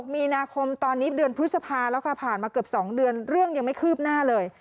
มีนาคมตอนนี้เดือนพฤษภาแล้วค่ะผ่านมาเกือบ๒เดือนเรื่องยังไม่คืบหน้าเลย